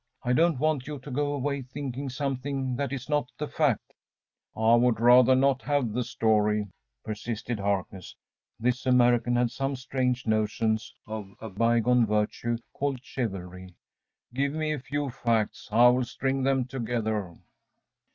I don't want you to go away thinking something that is not the fact.‚ÄĚ “I would rather not have the story,‚ÄĚ persisted Harkness. This American had some strange notions of a bygone virtue called chivalry. “Give me a few facts I will string them together.